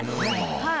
はい。